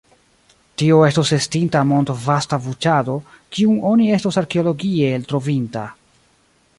Tio estus estinta mondvasta buĉado, kiun oni estus arkeologie eltrovinta.